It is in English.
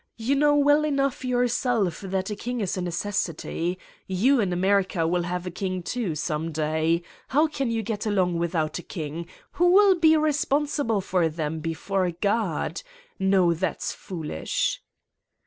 You know well enough yourself 182 Satan's Diary that a king is a necessity. You, in America, have a king, too, some day. How can you get along without a king : who will be responsible for them before God? No, that's foolish."